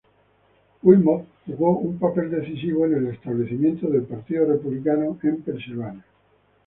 Wilmot jugó un papel decisivo en el establecimiento del Partido Republicano en Pennsylvania.